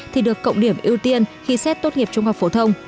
thì được cộng điểm ưu tiên khi xét tốt nghiệp trung học phổ thông